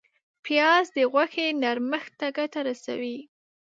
پیاز د غوښې نرمښت ته ګټه رسوي